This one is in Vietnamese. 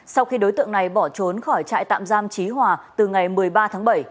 sau khi đối tượng này bỏ trốn khỏi trại tạm giam trí hòa từ ngày một mươi ba tháng bảy